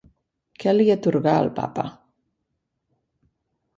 Què li atorgà el papa?